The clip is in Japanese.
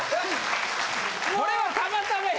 これはたまたまや。